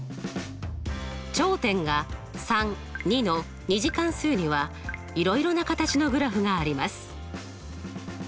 頂点がの２次関数にはいろいろな形のグラフがあります。